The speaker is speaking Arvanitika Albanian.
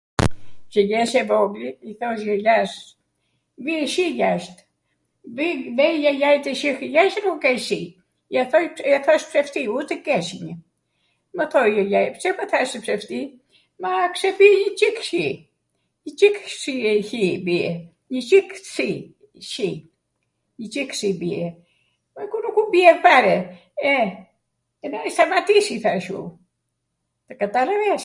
qw jesh e vogwl, i thoj jajas bie shi jasht, vej jajai tw shih jasht nuk kej shi, ja thosh psefti u tw kej shi. Mw thoj jajai pse mw thashe psefti, ma pse bi njwCik shi, njwCik shi e hi bie, njwCik shi, shi, njwCik shi bie. Ma nuku bie fare, e, stamatisi, thashw u, ekatallaves?